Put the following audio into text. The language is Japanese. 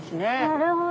なるほど。